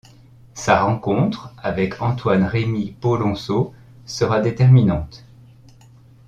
Sa rencontre avec Antoine-Rémy Polonceau sera déterminante.